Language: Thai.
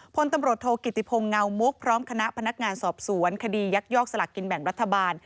พลตำรวจโทกิติพงศ์เงามุกพร้อมคณะพนักงานสอบสวนคดียักยอกสลักกินแบ่งรัฐบาล